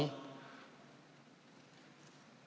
ในการ